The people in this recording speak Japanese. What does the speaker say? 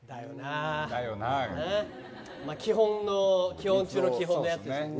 基本中の基本のやつですね。